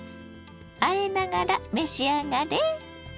あえながら召し上がれ！